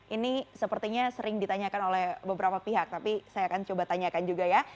ini sepertinya sering ditanyakan oleh beberapa pihak tapi saya akan coba tanyakan juga ya